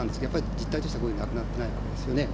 実態としてはこういうふうになくなってないわけですよね。